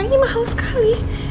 ini mahal sekali